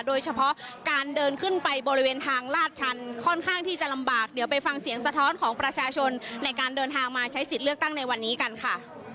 โดยเฉพาะการเดินขึ้นไปบริเวณทางลาดชันค่อนข้างที่จะลำบากเดี๋ยวไปฟังเสียงสะท้อนของประชาชนในการเดินทางมาใช้สิทธิ์เลือกตั้งในวันนี้กันค่ะ